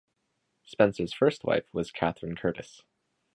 Spencer's first wife was Catharine Curtis.